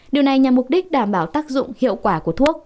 điều này nhằm mục đích đảm bảo tác dụng hiệu quả của thuốc